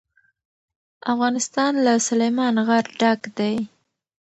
افغانستان له سلیمان غر ډک دی.